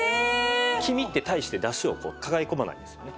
黄身って大して出汁を抱え込まないんですよね。